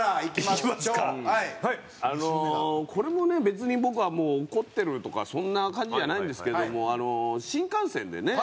別に僕はもう怒ってるとかそんな感じじゃないんですけども新幹線でね。